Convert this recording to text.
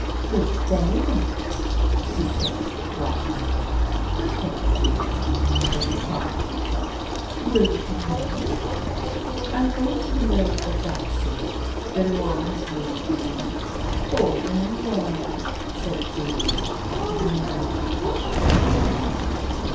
" Good day, Annette," she said loftily. " Good day, Julie," was the quiet reply. " Will you come in? "" I am going to the mill for flax seed. Benoit has rheumatism." " Poor Benoit !" said Julie, with a meaning toss of her head.